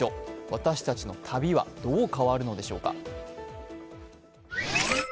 私たちの旅はどう変わるのでしょうか？